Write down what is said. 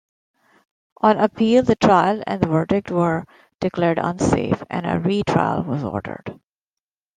On appeal, the trial and verdict were declared "unsafe" and a retrial was ordered.